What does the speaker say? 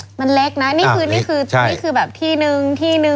มันเล็กล่ะนี่คือแบบที่๑ที่๑ใช่ไหม